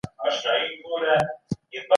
په افغانستان کې دولت جوړونه تاریخ لري.